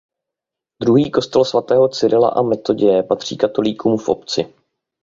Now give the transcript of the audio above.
Druhý kostel svatého Cyrila a Metoděje patří katolíkům v obci.